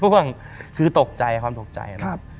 ห่วงคือตกใจความตกใจนะครับ